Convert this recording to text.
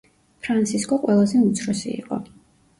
ფრანსისკო ყველაზე უმცროსი იყო.